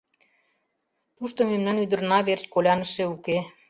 Тушто мемнан ӱдырна верч коляныше уке.